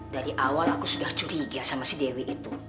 tante aku sudah curiga sama si dewi itu